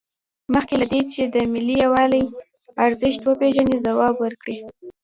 مخکې له دې چې د ملي یووالي ارزښت وپیژنئ ځواب ورکړئ.